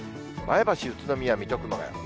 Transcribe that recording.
前橋、宇都宮、水戸、熊谷。